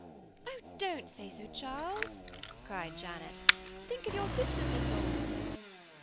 "Oh, don't say so, Charles," cried Janet. "Think of your sisters in law."